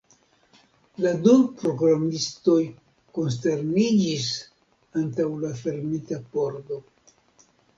La du programistoj konsterniĝis antaŭ la fermita pordo.